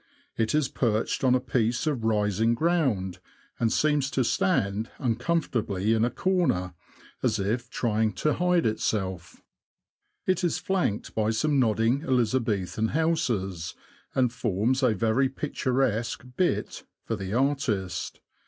It is perched on a piece of rising ground, and seems to stand uncom fortably in a corner, as if trying to hide itself. It is flanked by some nodding Elizabethan houses, and A RAMBLE THROUGH NORWICH. 81 forms a very picturesque "bit" for an artist.